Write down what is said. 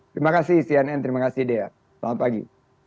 terima kasih sian n terima kasih dea selamat pagi